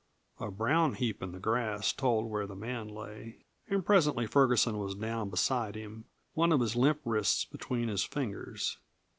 A brown heap in the grass told where the man lay, and presently Ferguson was down beside him, one of his limp wrists between his fingers.